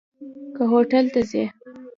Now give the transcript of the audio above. که هوټل ته ځي.